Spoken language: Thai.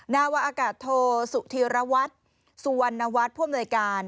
นาวะอากาศโทสุธิระวัติสุวรรณวัติพ่อมนายการ